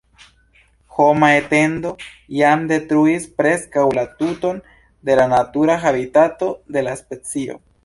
Homa etendo jam detruis preskaŭ la tuton de la natura habitato de la specio.